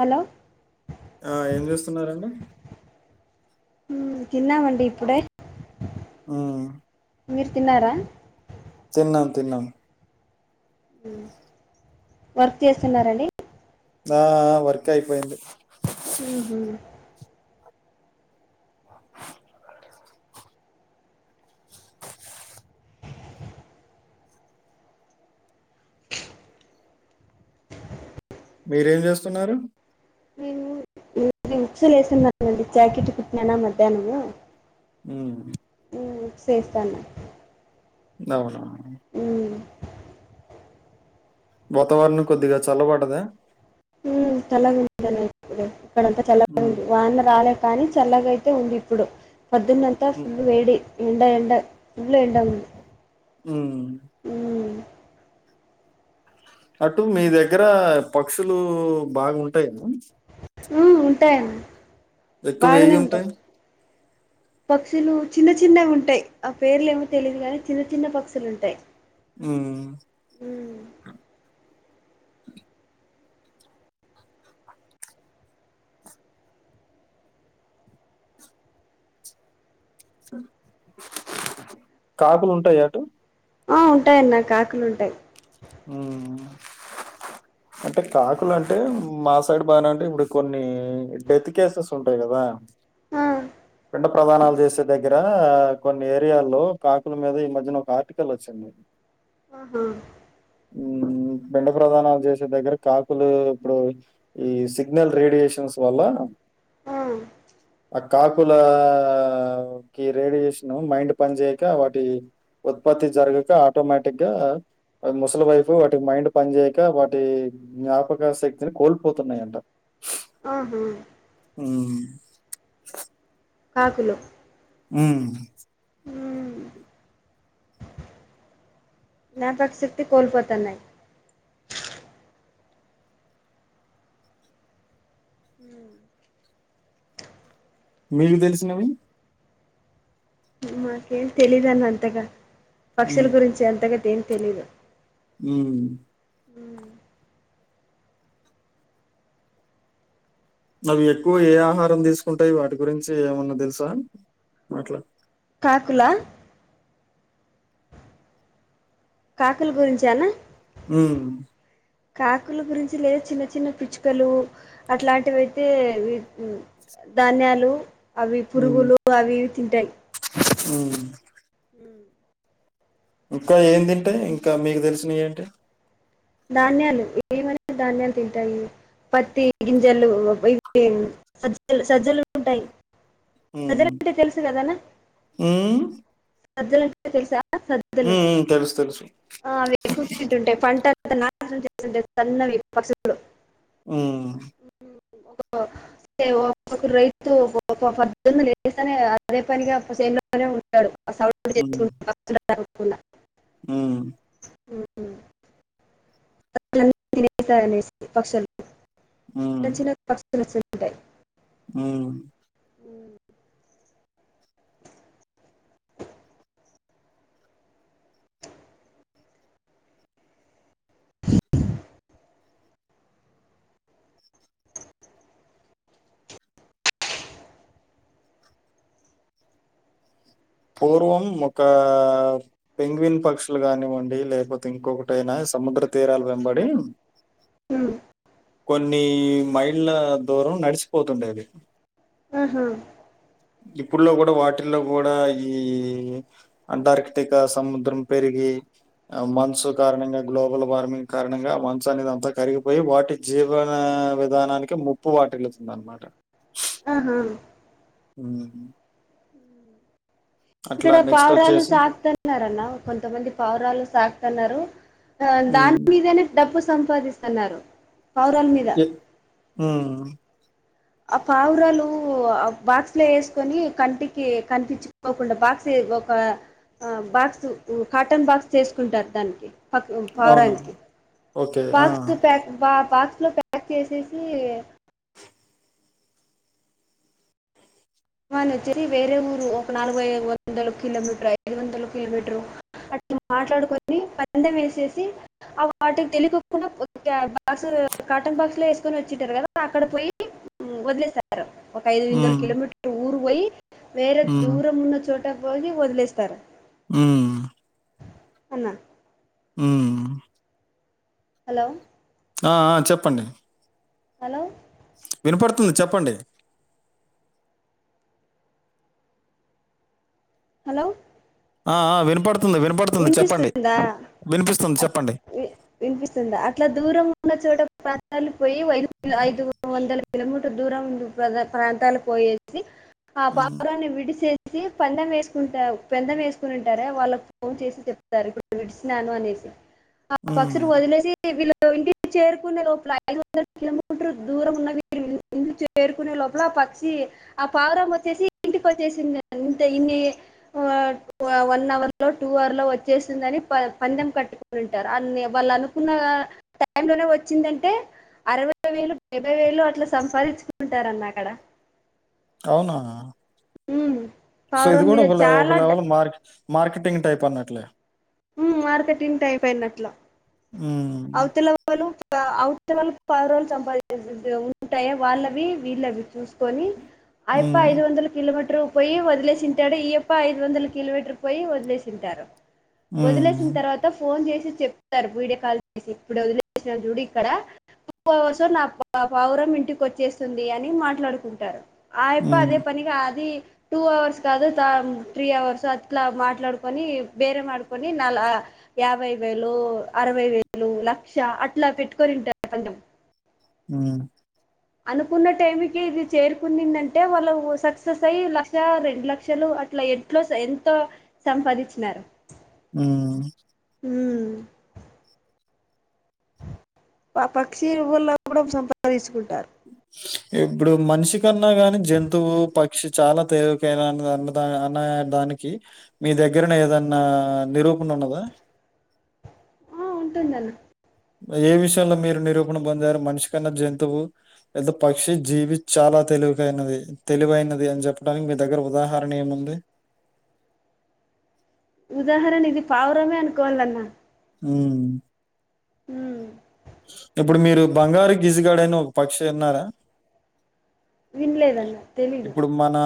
Hello ఆ ఏం చేస్తున్నారండి ఉ తిన్నామండి ఇప్పుడే ఉమ్ మీరు తిన్నారా తిన్నాన్ తిన్నాన్ హు వర్క్ చేస్తున్నార అండి ఆ ఆ వర్క్ అయ్పోయింది ఉ హు మీరేం జేస్తున్నారు మేము ఈ హుక్సులేస్తున్నానండి జాకిట్ కుట్ననా మద్యనము ఉ ఉ చేస్తాన్నా నవన ఉ వాతవరణం కొద్దిగా చల్లబడ్డదా ఉం చల్లగుంది [unintelligible] ఇక్కడంత చల్ల ఉమ్ ఉంది వాన రాలే కానీ చల్లగైతే ఉంది ఇప్పుడు పొద్దున్నంతా ఉమ్ ఫుల్లు వేడి ఎండ ఎండ ఫుల్లు ఎండ ఉంది ఉ అటు మీ దగ్గర పక్షులు బాగుంటాయ్ గద ఉం ఉంటాయ్ అన్ ఎక్కువ ఏయ్ ఉంటాయ్ పక్షులు చిన్న చిన్నగుంటయ్ ఆ పేర్లేమో తెలిదు గాని చిన్న చిన్న పక్షుల్ ఉంటయ్ ఉం హ్మ్ [inaudible] కాకుల్ ఉంటాయా అటు ఆ ఉంటాయ్ అన్న కాకుల్ ఉంటాయ్ ఆ అంటే కాకుల్ అంటే మా సైడ్ బానే ఉంటయ్ ఇప్పుడు కొన్ని డెత్ కేసెస్ ఉంటయ్ గదా ఆ పిండ ప్రదానాల్ జేసే దగ్గర కొన్ని ఏరియాల్లో కాకుల్ మీద ఈ మధ్యన ఒక ఆర్టికల్ వచ్చింది. ఆహా హ్మ్ బెండ ప్రధానాల్ జేసే దగ్గర కాకులు ఇప్పుడు ఈ సిగ్నల్ రేడియేషన్స్ వల్ల ఆ ఆ కా క్కుల కి రేడియేషను మైండ్ పన్ జేయక వాటి ఉత్పత్తి జరగక ఆటోమేటిక్ గా అ ముసలి వైపు వాటి మైండ్ పన్ జేయక వాటి జ్ఞాపక శక్తిని కోల్పోతున్నాయంట ఆహా హ్మ్ కాకులు ఉమ్ మ్మ్ జ్ఞాపక్ శక్తి కోల్పోతన్నాయ్ ఉ మీగు తెలిసినవి మాకేం తెలీదు అన్న అంతగా, పక్షుల హ్మ్. గురించి అంతగాద ఏం తెలీదు ఉమ్మ్ మ్మ్. అవి ఎక్కువ ఏ ఆహారం తీసుకుంటాయి, వాటి గురించి ఏమన్నా తెలుసా అట్లా? కాకులా కాకుల గురించానా? ఉమ్మ్ కాకుల గురించి లేదా చిన్న చిన్న పిచ్చుకలు అట్లాంటివి అయితే వి ధాన్యాలు అవి పురుగులు అవి ఇవి తింటాయి. ఉ హ ఇంకా ఏ తింటాయి ఇంకా మీకు తెలిసినయి అంటే? ధాన్యాలు ఏమని ధాన్యాలు తింటాయి పత్తి గింజలు ఇవి సజ్జలు సజ్జలు ఉంటాయి సజ్జలు అంటే తెలుసు కదా అన్న? మ్మ్ సజ్జలంటే తెలుసా హ్మ్. సజ్జలు హ్మ్. తెలుసు. తెలుసు. ఆ అవి ఎక్కువ తింటుంటాయి పంట అంతా నాశనం చేస్తుంటాయి సన్నవి పక్షులు ఆ ఓ ఏవో ఒక ఒక్కక్క రైతు ఒక్కక్క పంటని పొద్దున్నే లేస్తనే అదే పనిగా చేనులో ఒక్కడే ఉంటాడు. ఆ సౌండ్ చేసుకుంట ఒక్కడు ఉంటాడు ఆ [unintelligible] పక్షులు చిన్న హ్మ్. చిన్న పక్షులు వచ్చంటాయి హ్మ్మ్ పూర్వం ఒక పెంగవిన్ పక్షులు కానివ్వండి లేకపోతే ఇంకొకటైనా సముద్ర తీరాలు వెంబడి ఉ కొన్ని మైళ్ళ దూరం నడిచిపోతుండేది ఆహా ఇప్పుడులో కూడా వాటిల్లో కూడా ఈ అంటార్కిటికా సముద్రం పెరిగి మన్సు కారణంగా, గ్లోబల్ వార్మింగ్ కారణంగా మన్స్ అనేది అంతా కరిగిపోయి వాటి జీవన విధానానికి ముప్పు వాటిల్ళతుంది అనమాట ఆహా హ్మ్మ్ అట్లా ఇక్కడ నెక్స్ట్ పావురాలు వచ్చేసి సాక్తా ఉన్నారన్న కొంతమంది పావురాలు సాకుతున్నారు హ్మ్. దాని మీదనే డబ్బు సంపాదిస్తున్నారు. పావురాల మీద ఏ ఉ ఆ పావురాలు ఆ బాక్స్ లో ఎసుకొని కంటికి కనిపించ పోకుండా బాక్స్ ఒక బాక్స్ కాటన్ బాక్స్ చేసుకుంటారు దానికి అవును. పావురానికి ఓకే. ఆ! బాక్స్ ప్యాక్ బా బాక్స్లో ప్యాక్ చేసేసి వాన వచ్చిరి వేరే ఊరు ఒక నాలుగైదు వందలు కిలోమీటర్ ఐదు వందలు కిలోమీటరు అట్ మాట్లాడుకొని పందెం వేసేసి ఆ వాటికి తెలికొకుండా బాక్స్ కాటన్ బాక్స్ లో వేసుకొని వచ్చింటారు కదా అక్కడ పోయి వదిలేస్తారు ఒక ఐదు వందల హ్మ్. కిలోమీటర్ ఊరు పోయి వేరే హ్మ్. దూరం ఉన్న చోట పోయి వదిలేస్తారు ఉ అన్నా ఊ హలో ఆ ఆ చెప్పండి హలో వినపడుతుంది చెప్పండి హలో ఆ ఆ వినపడుతుంది వినిపడుతుంది చెప్పండి వినిపిస్తుందా వినిపిస్తుంది అట్ చెప్పండి వి వినిపిస్తుందా అట్లా దూరం ఉన్న చోట ప్రంతాలకి పోయి వ ఐదు వందల కిలోమీటర్ దూరం ప్రద ప్రాంతాలు పోయే సి ఆ హ్మ్. పావురాన్ని విడిసేసి పందెం వేసుకుంట పందెం వేసుకునింటారే వాళ్ళ ఫోన్ చేసి చెప్తారు ఇప్పుడు విడిచినాను అనేసి ఆ హ్మ్. పక్షులు వదిలేసి వీళ్ళ ఇంటికి చేరుకునే లోపల ఒక ఐదు వందల కిలోమీటర్ దూరం ఉన్నవి చేరుకునే లోపల ఆ పక్షి ఆ పావురం వచ్చేసి ఇంటికి వచ్చేసింది ఇంత ఇన్ని వ వన్ అవర్ లో టూ అవర్ లో వచ్చేసింది అని ప పందెం కట్టుకొనింటారు అన్ని వాళ్ళు అనుకున్న దాంట్లోనే వచ్చిందంటే అరవై వేలు యాభై వేలు అట్లా సంపాదించుకుంటారు అన్న అక్కడ అవునా ఉ సో ఇది కూడా ఒక లె ఒక లెవెల్ లో మ మార్కెటింగ్ టైప్ అన్నట్లే ఉ మార్కెటింగ్ టైప్ అన్నట్ల ఊ అవతల వలు అవతల వాళ్ళు పావురాలు సంపాద ఉంటయే వాళ్ళవి వీళ్ళవి చూస్ కొని అయప్ప ఐదు హ్మ్. వందల కిలోమీటర్ పోయి వదిలేసింటాడు ఈయప్ప ఐదు వందల కిలోమీటర్ పోయి వదిలేసింటారు వదిలేసి సిన హ్మ్. తర్వాత ఫోన్ చేసి చెప్తారు వీడియో కాల్ చేసి ఇప్పుడు వదిలేసిన చూడు ఇక్కడ కోసు నా పావురం ఇంటికి వచ్చేస్తుంది అని మాట్లాడుకుంటారు ఆయప్ప అదే హ్మ్. పనిగా అది టూ అవర్స్ కాదు త త్రీ అవర్స్ అట్లా మాట్లాడుకొని బేరం ఆడుకొని నలా యాభై వేలు అరవై వేలు లక్ష అట్లా పెట్టుకొనింటారు పందెం ఉ అనుకున్న టైంకి ఇది చేరుకునిందంటే వాళ్ళు సక్సెస్ అయ్యి లక్ష రెండు లక్షలు అట్లా ఎ ఇట్లో ఎంతో సంపాదించినారు ఊ ఊ ఆ పక్షి వల్ల కూడా సంపాదించుకుంటారు ఇప్పుడు మనిషికన్నా గాని జంతువు ప పక్షి చాలా తేలిక అయినా అన్నా అన్నదాన దానికి మీ దగ్గరనే ఏదన్నా నిరూపణ ఉన్నదా ఆ ఉంటుంద అన్న ఏ విషయంలో మీరు నిరూపణ పొందారు మనిషి కన్నా జంతువు ఏది పక్షి జీవి చాలా తెలివైనది తెలివైనది అని చెప్పడానికి మీ దగ్గర ఉదాహరణ ఏముంది ఉదాహరణ ఇది పావురమే అనుకోవాలన్న వ్మ్ వ్మ్ ఇప్పుడు మీరు బంగారు గిజిగాడ అని ఒక పక్షి విన్నారా వినలేదన్న తెలీదు మనా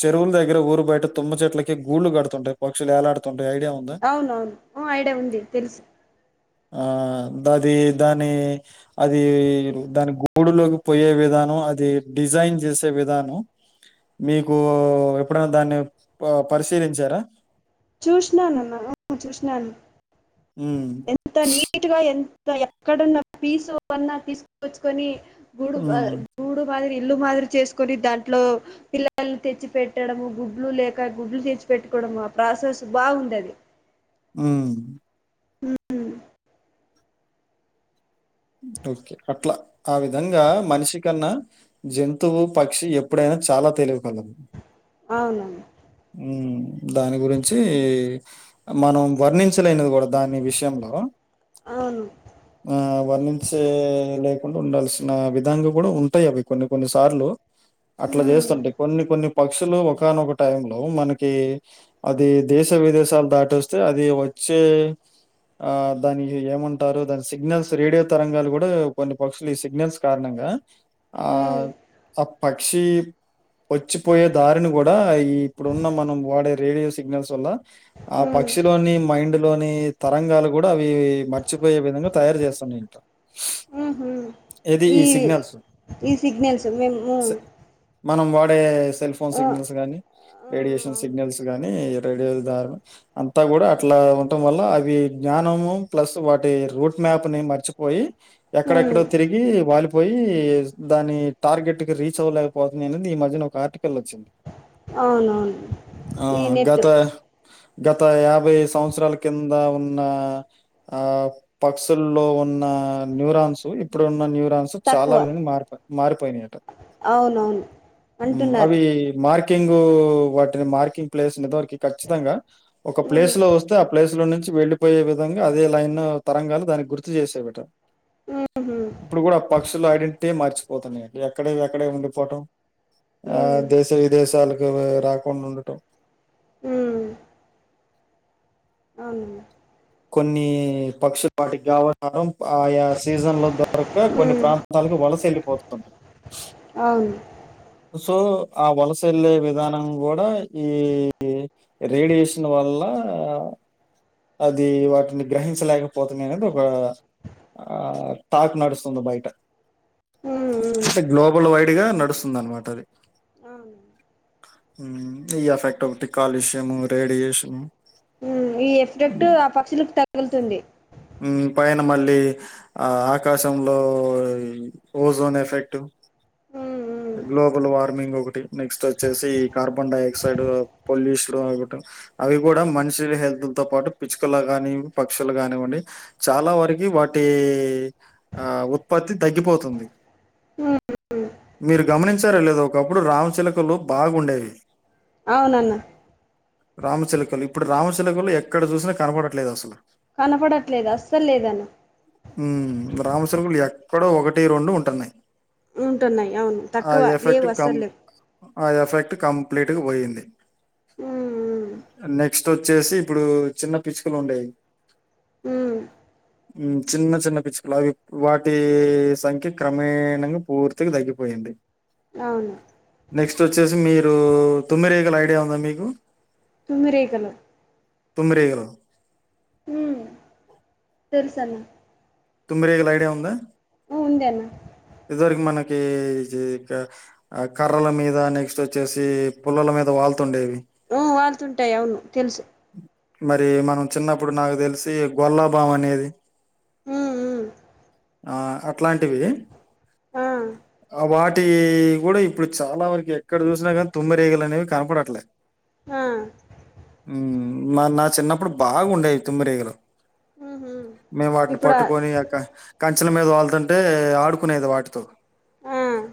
చెరువుల దగ్గర ఊరు బయట తుమ్మ చెట్లకి గుళ్ళ కడుతుంటాయి పక్షులు ఎలాడుతుంటాయి ఐడియా ఉందా? అవునవును ఐడియా ఉంది తెలుసు ఆ దది దాని అది దాని గోడులోకి పోయే విధానం అది డిజైన్ చేసే విధానం మీకు ఎప్పుడైనా దాన్ని ఆ పరిశీలించారా చూషినానున్న చూషినాను వ్మ్ ఎంత నీట్గా ఎంత ఎక్కడున్న పీసు అన్నా తీసుకచ్చుకొని గూడు ఉమ్ గూడు మాదిరి ఇల్లు మాదిరి చేసుకోని దాంట్లో పిల్లల్ని తెచ్చి పెట్టడము గుడ్లు లేక గుడ్లు తెచ్చి పెట్టుకోవడం ఆ ప్రాసెస్ బాగుందది. ఆ వ్మ్ ఉ ఓక్కే అట్లా ఆ విధంగా మనిషికన్నా జంతువు పక్షి ఎప్పుడైనా చాలా తెలివి కలది అవునండి ఉమ్ దాని గురించి మనం వర్ణించలేనిది కూడా దాని విషయంలో అవును ఆ వర్ణించే లేకుండా ఉండాల్సిన విధంగా కూడా ఉంటాయి అవి కొన్ని కొన్ని సార్లు అట్లా మ్మ్, చేస్తుంటే కొన్ని కొన్ని పక్షులు ఒకనొక టైం లో మనకి అది దేశ విదేశాలు దాటస్తే అది వచ్చే ఆ దానికి ఏమంటారు దాని సిగ్నల్స్ రేడియో తరంగాలు కూడా కొన్ని పక్షులు ఈ సిగ్నల్స్ కారణంగా ఆ మ్మ్, ఆ పక్షి వచ్చిపోయే దారిని కూడా ఈ ఇప్పుడున్న మనం వాడే రేడియో సిగ్నల్స్ వల్ల ఆ మ్మ్, పక్షిలోని మైండులోని తరంగాలు కూడా అవి మర్చిపోయే విధంగా తయారు చేస్త [unintelligible] మ్మ్. ఏది ఈ సిగ్నల్స్ ఈ సిగ్నల్స్ మేము స మ్మ్, మనం వాడే సెల్ ఫోన్ ఆ, సిగ్నల్స్ గానీ ఆ, రేడియేషన్ అవును సిగ్నల్స్ గానీ రేడియో ద్వార అంతా కూడా అట్లా ఉండటం వల్ల అవి జ్ఞానము ప్లస్ వాటి రూట్ మ్యాప్ నే మరిచిపోయి మ్మ్. ఎక్కడెక్కడో తిరిగి వాలిపోయి దాని టార్గెట్ కి రీచ్ అవ్వలే పోతుంది అనేది ఈ మధ్యన ఒక ఆర్టికల్ వచ్చింది అవునవును ఆ ఈ నెట్ గత గత యాభై సంవత్సరాల కింద ఉన్న ఆ తుల్లో ఉన్న న్యూరాన్స్ ఇప్పుడున్న న్యూరాన్స్ చాలా తక్కువ విధంగా మారిపా మారిపోయినట అవునవును అంటున్నారు అవి మార్ కింగ్ వాటిని మార్కింగ్ ప్లేస్ ఇదివరకి ఖచ్చితంగా ఒక ఉమ్ ప్లేస్ లో వస్తే ఆ ప్లేస్ లో నుంచి వెళ్ళలిపోయే విధంగా అదే లైన్ తరంగాలి దాని గుర్తు చేసాయట ఉహు ఇప్పుడు కూడా పక్ పక్షులు ఐడెంటిటీ మరిచిపోతున్నాయి ఎక్కడవి అక్కడే ఉడిపోవటం ఆ ఉమ్ దేశ విదేశాలకు రాకుండా ఉండటం ఉమ్ అవును కొన్ని పక్షులు వాటికి కావ ఆయా సీజన్ లో దొరక కొన్ని ఉమ్ ప్రా ఆళ్ళు వలసెల్లి పోతుంది అవున్ సో ఆ వలస వెల్లే విధానం కూడా ఈ రేడియేషన్ వల్ల అది వాటిని గ్రహించలేకపోతున్నాయి అనేది ఒక ఆ టాక్ నడుస్తుంది బయట ఉమ్ ఉమ్ అంటే గ్లోబల్ వైడ్ గా నడుస్తుంది అనమాట అది అవును ఉ ఈ ఎఫెక్ట్ ఒకటి కాలుష్యము రేడియేషన్ ఈ ఎఫెక్ట్ ఆ పక్షులకు తగులుతుంది ఉ పైన మళ్ళీ ఆ ఆకాశంలో ఓజోన్ ఎఫెక్ట్ ఉ గ్లోబల్ వార్మింగ్ ఒకటి నెక్స్ట్ వచ్చేసి కార్బన్ డైఆక్సైడ్ పొల్యూషన్ ఒకటి అవి కూడా మనిషి వి హల్త్ తో పాటు పిచ్చుకలు కాని పక్షులు కానివ్వండి చాలా వరకి వాటి ఆ ఉత్పత్తి తగ్గిపోతుంది మీరు గమనించారా లేదో ఒకప్పుడు రామచిలుకలు బాగుండేవి అవునన్న రామచిలుకలు ఇప్పుడు రామచిలుకలు ఎక్కడ చూసినా కనపడట్లేదు అసలు కనపడట్లేదు అస్సలు లేదన్న ఉ రామచిలకలు ఎక్కడో ఒకటి రెండు ఉంటున్నాయి ఉంటున్నాయి అవును ఆ తక్కువ లేవు ఎఫెక్ట్ కం అసలేవు ఆ ఎఫెక్ట్ కంప్లీట్గా పోయింది ఉమ్ నెక్స్ట్ వచ్చేసి ఇప్పుడు చిన్న పిచ్చుకలు ఉండేయి ఉ చిన్న చిన్న పిచ్చుకులు అవి వాటి సంఖ్య క్రమేణంగా పూర్తిగా తగ్గిపోయింది అవును నెక్స్ట్ వచ్చేసి మీరు తొమ్మిరేగలు ఐడియా ఉందా మీకు తొమ్మిరేగలు తొమ్మిరేగలు ఉ తెలుసన్న తొమ్మిరేగలు ఐడియా ఉందా ఉంది అన్న ఇదివరకు మనకి ఇంకా ఆ కర్రల మీద నెక్స్ట్ వచ్చేసి పుల్లల మీద వాళ్తుండేవి ఉ వాళ్తుంటాయి అవును తెలుసు మరి మనం చిన్నప్పుడు నాకు తెలిసి గొల్లాబాం అనేది ఉ ఉమ్ ఆ అట్లాంటివి ఆ ఆ వాటి కూడా ఇప్పుడు చాలా వరకు ఎక్కడ చూసినా కానీ తుమ్మరేగలు అనేవి కనపడట్లేదు ఆ నా చిన్నప్పుడు బాగుండేది తుమ్మిరేగలు ఉహు మేము వాటిని ఇప్పుడు పట్టుకొని కంచెల మీద వాళుతుంటే ఆడుకునేది వాటితో ఆ